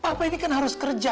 apa ini kan harus kerja